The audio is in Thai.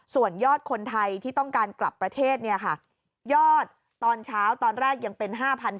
ส่วนยอดคนไทยที่ต้องการกลับประเทศยอดตอนเช้าตอนแรกยังเป็น๕๔๐